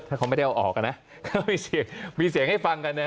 ถ้าเขาไม่ได้เอาออกก็มีเสียงให้ฟังกัน